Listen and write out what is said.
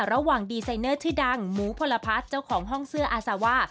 ระหว่างดีไซเนอร์ชื่อดังหมูพลพัฒน์เจ้าของห้องเสื้ออาซาว่า